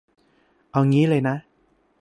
เอางี้เลยนะ